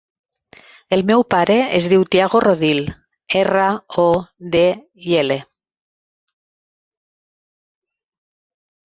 El meu pare es diu Thiago Rodil: erra, o, de, i, ela.